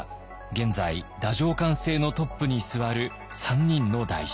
現在太政官制のトップに座る３人の大臣。